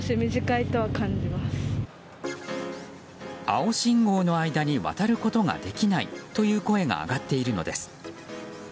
青信号の間に渡ることができないという声が上がっているのです。